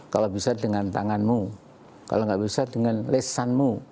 kalau bisa dengan tanganmu kalau nggak bisa dengan lesanmu kalau nggak bisa dengan hatimu